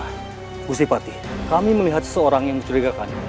pak gusti patih kami melihat seseorang yang mencurigakan